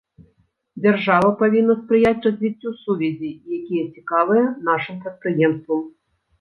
Дзяржава павінна спрыяць развіццю сувязей, якія цікавыя нашым прадпрыемствам.